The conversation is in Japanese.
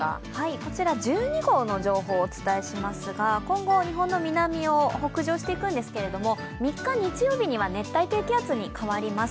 こちら１２号の情報をお伝えしますが今後日本の南を北上していくんですけれども３日日曜日には熱帯低気圧に変わります。